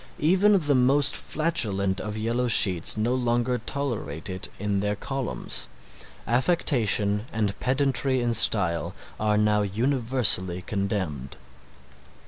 Even the most flatulent of yellow sheets no longer tolerate it in their columns. Affectation and pedantry in style are now universally condemned.